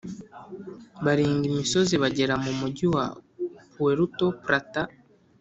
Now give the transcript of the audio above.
Barenga imisozi bagera mu mugi wa puerto plata